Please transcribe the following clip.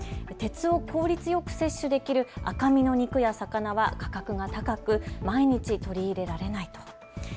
鉄を効率よく摂取できる赤身の肉や魚は価格が高く毎日取り入れられないと。